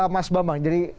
mas bambang jadi